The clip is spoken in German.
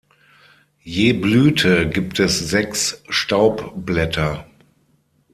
Je Blüte gibt es sechs Staubblätter.